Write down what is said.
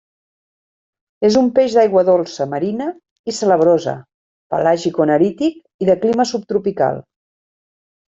És un peix d'aigua dolça, marina i salabrosa; pelàgic-nerític i de clima subtropical.